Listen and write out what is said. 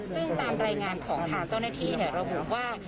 ซึ่งตามรายงานของทางเจ้าหน้าที่ระบุว่า